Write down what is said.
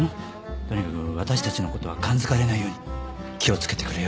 とにかく私たちのことは感づかれないように気を付けてくれよ。